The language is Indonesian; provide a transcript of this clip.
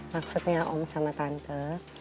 maksudnya om sama tante